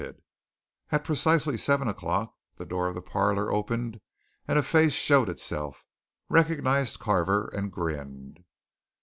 And at precisely seven o'clock the door of the parlour opened and a face showed itself, recognized Carver, and grinned.